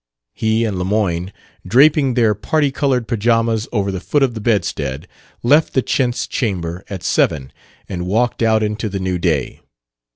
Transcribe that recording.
He and Lemoyne, draping their parti colored pajamas over the foot of the bedstead, left the chintz chamber at seven and walked out into the new day.